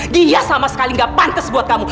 dia sama sekali gak pantas buat kamu